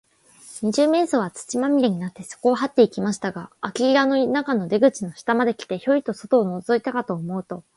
二十面相は、土まみれになって、そこをはっていきましたが、あき家の中の出口の下まで来て、ヒョイと外をのぞいたかと思うと、